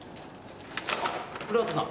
あっ古畑さん。